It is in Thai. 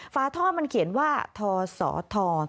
ฝาท่อมันเขียนว่าทศท